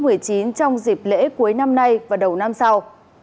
trong dịp lễ cuối năm nay và đầu năm sau